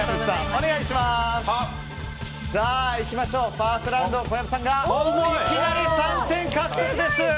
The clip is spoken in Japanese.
ファーストラウンド小籔さんがいきなり３点獲得です。